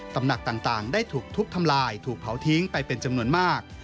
ตำหนักต่างได้ถูกทุบทำลายถูกเผาทิ้งไปเป็นจำนวนมาก